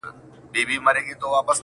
دا یې هېر سول چي پردي دي وزرونه -